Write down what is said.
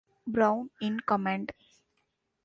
Brown in command.